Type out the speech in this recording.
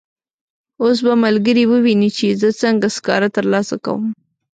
اوس به ملګري وویني چې زه څنګه سکاره ترلاسه کوم.